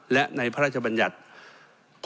และในพระราชบัญญัติ